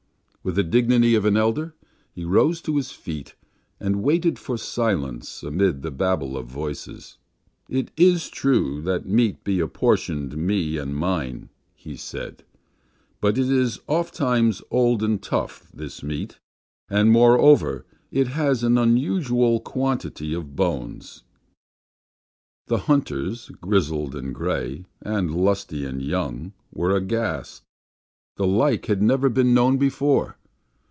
With the dignity of an elder, he rose to his feet, and waited for silence amid the babble of voices. "It is true that meat be apportioned me and mine," he said. "But it is ofttimes old and tough, this meat, and, moreover, it has an unusual quantity of bones." The hunters, grizzled and gray, and lusty and young, were aghast. The like had never been known before.